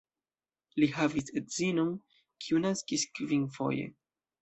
Li havis edzinon, kiu naskis kvinfoje.